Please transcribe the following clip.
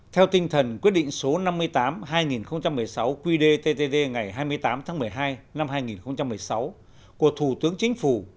theo tinh thần quyết định số năm mươi tám hai nghìn một mươi sáu qdttd ngày hai mươi tám tháng một mươi hai năm hai nghìn một mươi sáu của thủ tướng chính phủ